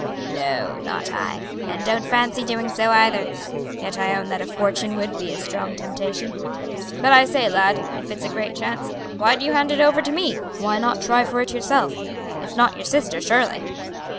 "No, not I, and don't fancy doing so either, yet I own that a fortune would be a strong temptation. But, I say, lad, if it's a great chance, why do you hand it over to me? Why not try for it yourself? It's not your sister, surely?"